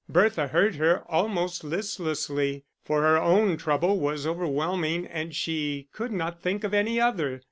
Bertha heard her, almost listlessly; for her own trouble was overwhelming and she could not think of any other.